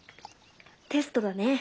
テストだね。